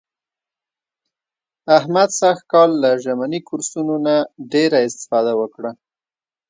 احمد سږ کال له ژمني کورسونو نه ډېره اسفاده وکړه.